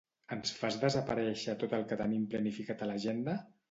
Ens fas desaparèixer tot el que tenim planificat a l'agenda?